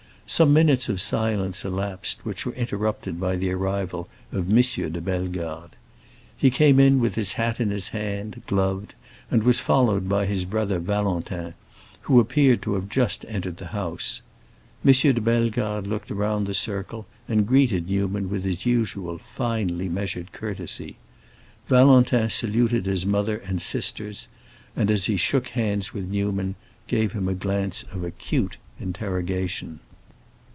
Some minutes of silence elapsed, which were interrupted by the arrival of M. de Bellegarde. He came in with his hat in his hand, gloved, and was followed by his brother Valentin, who appeared to have just entered the house. M. de Bellegarde looked around the circle and greeted Newman with his usual finely measured courtesy. Valentin saluted his mother and his sisters, and, as he shook hands with Newman, gave him a glance of acute interrogation.